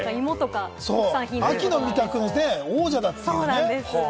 秋の味覚の王者だというね。